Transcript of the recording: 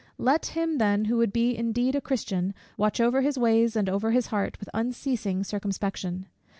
Let him then, who would be indeed a Christian, watch over his ways and over his heart with unceasing circumspection.